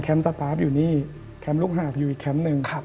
สปาร์ฟอยู่นี่แคมป์ลูกหาบอยู่อีกแคมป์หนึ่ง